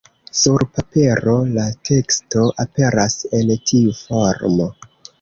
Sur papero la teksto aperas en tiu formo.